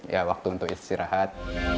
ya waktu untuk istirahat